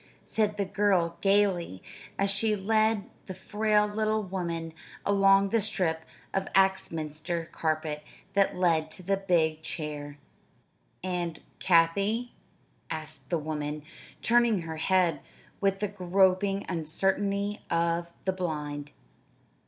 said the girl gayly, as she led the frail little woman along the strip of Axminster carpet that led to the big chair. "And Kathie?" asked the woman, turning her head with the groping uncertainty of the blind.